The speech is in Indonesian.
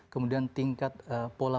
kemudian tingkat pola